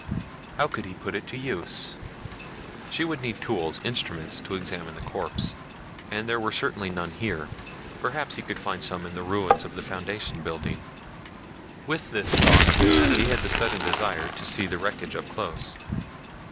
How could he put it to use? She would need tools, instruments to examine the corpse, and there were certainly none here. Perhaps he could find some in the ruins of the Foundation building. With this thought he had the sudden desire to see the wreckage up close.